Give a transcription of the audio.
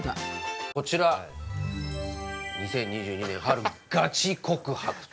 こちら２０２２年春ガチ告白という。